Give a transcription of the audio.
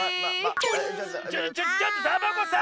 ちょちょちょちょっとサボ子さん！